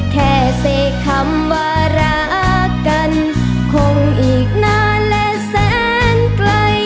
แค่เสกคำว่ารักกันคงอีกนานและแสนไกล